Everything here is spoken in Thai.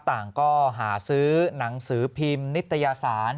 ต่างก็หาซื้อหนังสือพิมพ์นิตยสาร